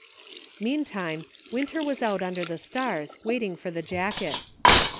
" Meantime, Winter was out under the stars, wait ing for the jacket.